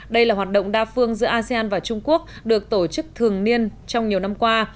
đây là hoạt động đa phương giữa asean và trung quốc được tổ chức thường niên trong nhiều năm qua